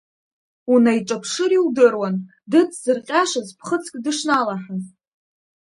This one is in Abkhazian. Унаиҿаԥшыр иудыруан дыҵзырҟьашаз ԥхыӡк дышналаҳаз.